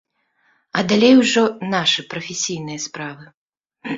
А далей ужо нашы прафесійныя справы.